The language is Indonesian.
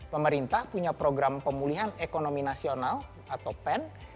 pemerintah punya program pemulihan ekonomi nasional atau pen